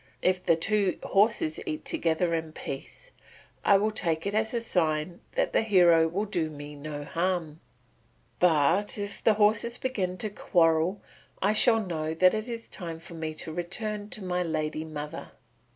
If the two horses eat together in peace, I will take it as a sign that the hero will do me no harm. But if the horses begin to quarrel I shall know that it is time for me to return to my lady mother."